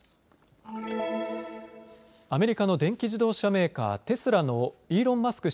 アメリカの電気自動車メーカー、テスラのイーロン・マスク